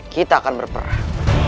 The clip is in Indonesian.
kita akan berperang